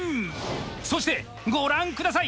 そしてご覧下さい。